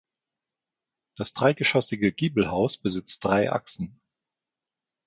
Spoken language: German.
Das dreigeschossige Giebelhaus besitzt drei Achsen.